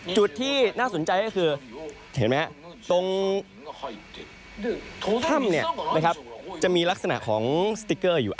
จุดที่น่าสนใจก็คือเห็นไหมครับตรงท้องถ้ำจะมีลักษณะของสติ๊กเกอร์อยู่